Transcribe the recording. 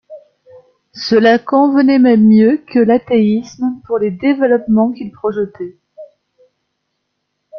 Cela convenait même mieux que l'athéisme pour les développements qu'il projetait.